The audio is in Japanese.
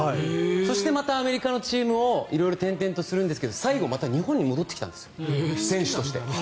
そしてまたアメリカのチームを色々、点々とするんですが最後また日本に戻ってきたんです選手として。